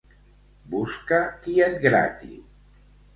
Busca qui et grati!